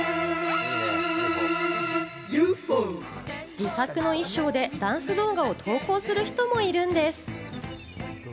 自作の衣装でダンス動画を投稿する人もいるんです！